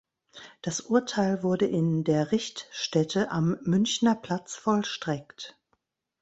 Das Urteil wurde in der Richtstätte am Münchner Platz vollstreckt.